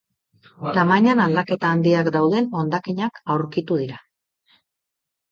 Tamainan aldaketa handiak dauden hondakinak aurkitu dira.